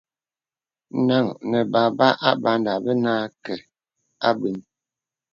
Nang nə̀ bābà Abanda bə̀ nâ kə̀ abə̀ŋ.